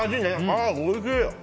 ああ、おいしい！